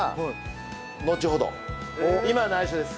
今は内緒です。